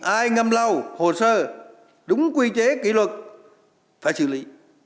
ai ngâm lâu hồ sơ đúng quy chế kỷ luật phải xử lý